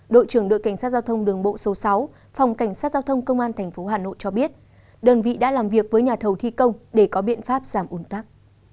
đội trưởng đội cảnh sát giao thông đường bộ số sáu phòng cảnh sát giao thông công an tp hà nội cho biết đơn vị đã làm việc với nhà thầu thi công để có biện pháp giảm ủn tắc